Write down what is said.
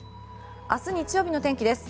明日、日曜日の天気です。